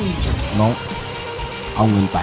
โอ้โหหน้าอย่างนี้